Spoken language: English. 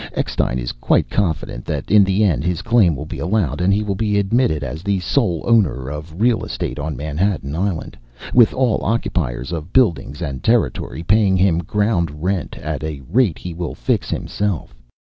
Eckstein is quite confident that in the end his claim will be allowed and he will be admitted as the sole owner of real estate on Manhattan Island, with all occupiers of buildings and territory paying him ground rent at a rate he will fix himself.